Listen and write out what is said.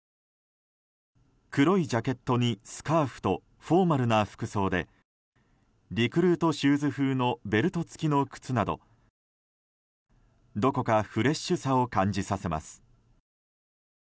黒いジャケットにスカーフとフォーマルな服装でリクルートシューズ風のベルト付きの靴などどこかフレッシュさを感じさせます。